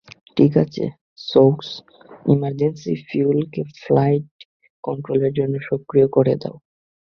ঠিক আছে, সোকস, emergency ফিউলকে flight কন্ট্রোলের জন্য সক্রিয় করে দাও।